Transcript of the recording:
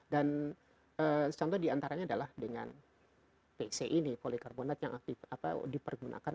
dan contoh diantaranya adalah dengan pci ini polycarbonate yang dipergunakan